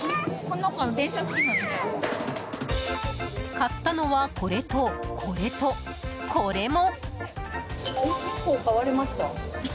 買ったのはこれと、これと、これも！